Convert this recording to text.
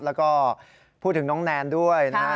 แล้วก็พูดถึงน้องแนนด้วยนะฮะ